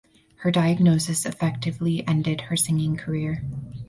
Her diagnosis effectively ended her singing career.